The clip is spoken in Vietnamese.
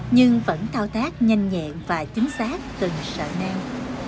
nhưng vẫn thao tác nhanh nhẹn và chính xác từng sợi nang